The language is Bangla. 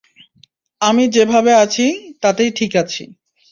আমি যে ভাবে আছি, তাতেই ঠিক আছি।